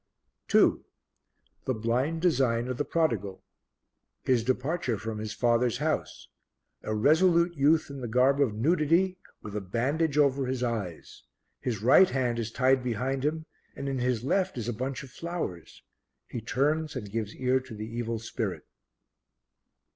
2. The Blind Design of the Prodigal. His departure from his father's house. A resolute youth in the garb of nudity, with a bandage over his eyes; his right hand is tied behind him and in his left is a bunch of flowers; he turns and gives ear to the Evil Spirit.